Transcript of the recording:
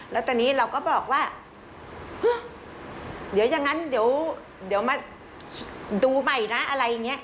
แล้วตอนนี้เราก็บอกว่าเดี๋ยวอย่างนั้นเดี๋ยวมาดูใหม่นะอะไรอย่างนี้